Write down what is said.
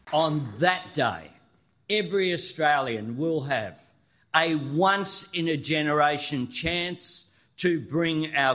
pada hari itu setiap australian akan memiliki kemungkinan untuk membawa negara kita bersama